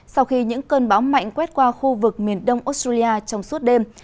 sau khi những cơn bão mạnh quét qua khu vực miền đông australia trong suốt đêm